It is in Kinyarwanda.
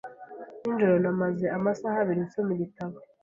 Nijoro namaze amasaha abiri nsoma igitabo.